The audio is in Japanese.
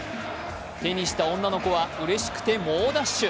手にした女の子はうれしくて猛ダッシュ。